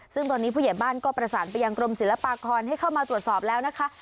ซึ่งตอนนี้ผู้ใหญ่บ้านก็ประสานไปยังกรมศิลปากรให้เข้ามาตรวจสอบแล้วนะคะ